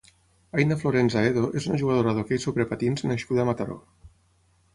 Aina Florenza Edo és una jugadora d'hoquei sobre patins nascuda a Mataró.